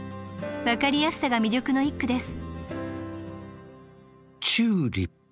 分かりやすさが魅力の一句です。